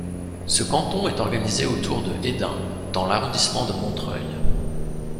Ce canton est organisé autour de Hesdin dans l'arrondissement de Montreuil.